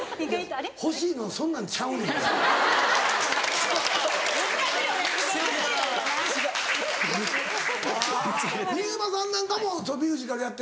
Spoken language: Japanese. あぁ新妻さんなんかもミュージカルやっ